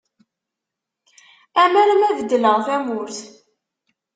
Amar ma beddleɣ tamurt.